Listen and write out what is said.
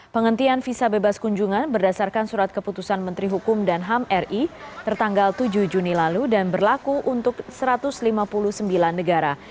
penghentian visa bebas kunjungan berdasarkan surat keputusan menteri hukum dan ham ri tertanggal tujuh juni lalu dan berlaku untuk satu ratus lima puluh sembilan negara